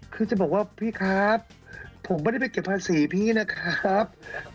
คือจะบอกว่าพี่ครับผมไม่ได้ไปเก็บภาษีพี่นะครับ